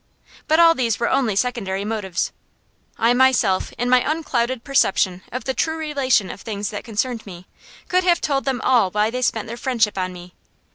But all these were only secondary motives. I myself, in my unclouded perception of the true relation of things that concerned me, could have told them all why they spent their friendship on me.